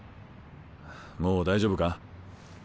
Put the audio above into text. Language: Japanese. もう大丈夫か？